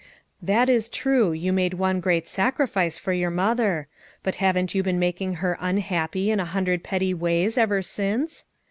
"That is true, you made one great sacrifice for your mother; but haven't you been mak ing her unhappy in a hundred petty ways ever since?